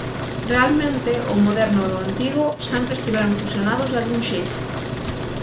Realmente o moderno e o antigo sempre estiveron fusionados dalgún xeito.